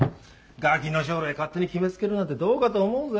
ガキの将来勝手に決め付けるなんてどうかと思うぜ？